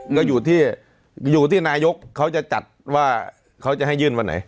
แล้วอยู่ที่นายกประชุมรศจัดว่าจะให้ยื่นวันไหน